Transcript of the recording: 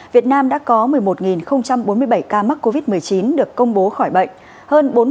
việt nam đã có một mươi một bốn mươi bảy ca mắc covid một mươi chín được công bố khỏi bệnh